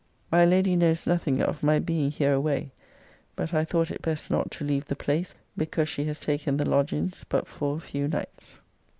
My lady knows nothing of my being hereaway. But I thoute it best not to leve the plase, because she has taken the logins but for a fue nites.